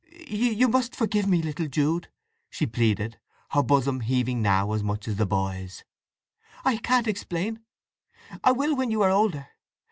"Y you must forgive me, little Jude!" she pleaded, her bosom heaving now as much as the boy's. "I can't explain—I will when you are older.